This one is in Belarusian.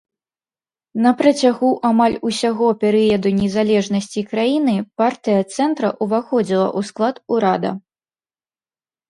На працягу амаль усяго перыяду незалежнасці краіны партыя цэнтра ўваходзіла ў склад урада.